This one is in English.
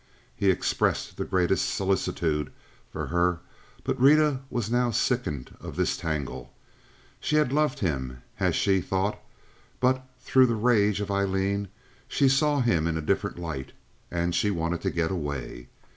He expressed the greatest solicitude for her, but Rita was now sickened of this tangle. She had loved him, as she thought, but through the rage of Aileen she saw him in a different light, and she wanted to get away.